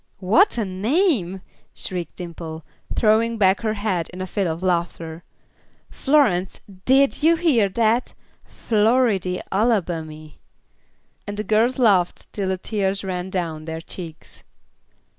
"What a name!" shrieked Dimple, throwing back her head in a fit of laughter. "Florence, did you hear? Floridy Alabamy." And the girls laughed till the tears ran down their cheeks.